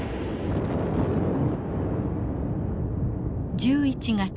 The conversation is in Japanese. １１月。